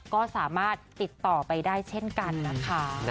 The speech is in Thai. ก็สามารถติดต่อไปได้เช่นกันนะคะ